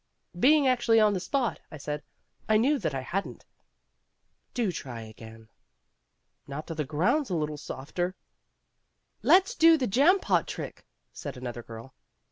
"Being actually on the spot," I said, "I knew that I hadn't." "Do try again." "Not till the ground's a little softer." "Let's do the jam pot trick," said another girl.